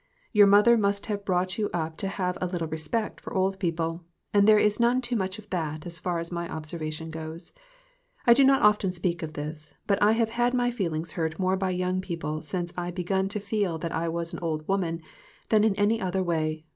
Your mother must have brought you up to have a little respect for old people, and there is none too much of that, as far as my observation goes. I do not often speak of this ; but I have had my feelings hurt more by young people since I begun to feel that I was an old woman than in any other way.